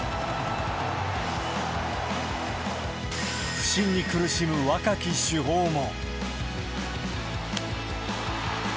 不振に苦しむ若き主砲も。